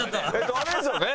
あれですよね？